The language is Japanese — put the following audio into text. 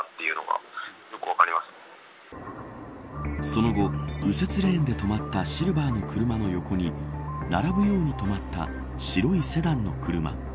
その後、右折レーンで止まったシルバーの車の横に並ぶように止まった白いセダンの車。